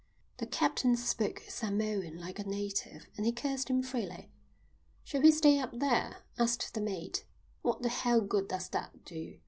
The captain spoke Samoan like a native, and he cursed him freely. "Shall he stay up there?" asked the mate. "What the hell good does that do?"